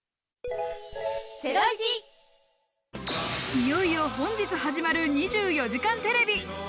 いよいよ本日始まる『２４時間テレビ』。